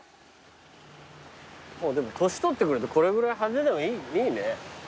でも年取ってくるとこれぐらい派手でもいいね。